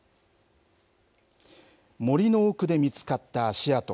森の奥で見つかった足跡。